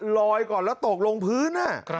ก่อนแล้วตกลงพื้น